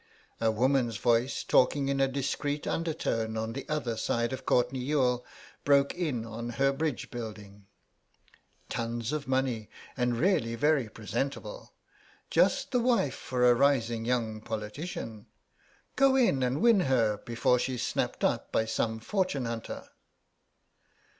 A woman's voice, talking in a discreet undertone on the other side of Courtenay Youghal, broke in on her bridge building. "Tons of money and really very presentable. Just the wife for a rising young politician. Go in and win her before she's snapped up by some fortune hunter."